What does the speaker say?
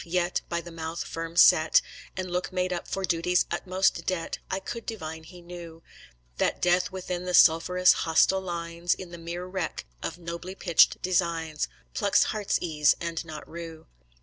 Yet, by the mouth firm set, And look made up for Duty's utmost debt, I could divine he knew That death within the sulphurous hostile lines, In the mere wreck of nobly pitched designs, Plucks hearts ease, and not rue.